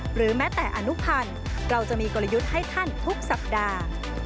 หรือแม้แต่อนุพันธ์เราจะมีกลยุทธ์ให้ท่านทุกสัปดาห์